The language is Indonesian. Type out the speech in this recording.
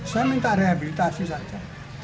saya minta rehabilitasi saja